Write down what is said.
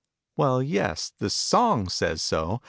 " Well, yes, the Sony says so.